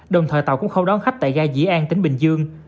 đồng thời tàu cũng không đón khách tại ga dĩ an tỉnh bình dương